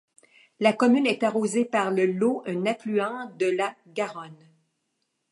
La commune est arrosée par le Lot un affluent de la Garonne.